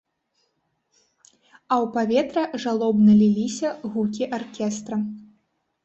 А ў паветры жалобна ліліся гукі аркестра.